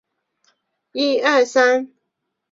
紫萝兰芋螺为芋螺科芋螺属下的一个种。